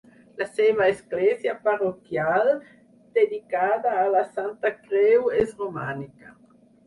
La seva església parroquial, dedicada a la Santa Creu és romànica.